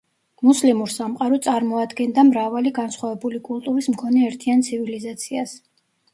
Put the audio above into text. მუსლიმურ სამყარო წარმოადგენდა მრავალი განსხვავებული კულტურის მქონე ერთიან ცივილიზაციას.